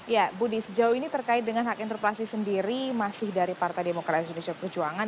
ya budi sejauh ini terkait dengan hak interpelasi sendiri masih dari partai demokrasi indonesia perjuangan